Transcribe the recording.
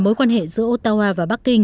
mối quan hệ giữa ottawa và bắc kinh